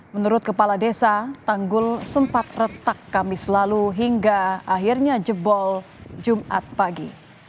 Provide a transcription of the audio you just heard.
menurut kepala desa tanggul sempat retak kami selalu hingga akhirnya jebol jumat pagi